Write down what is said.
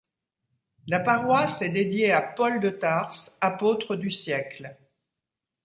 La paroisse est dédiée à Paul de Tarse, apôtre du siècle.